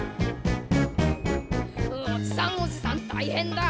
「おじさんおじさん大変だ」